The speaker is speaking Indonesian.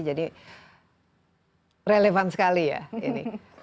jadi relevan sekali ya ini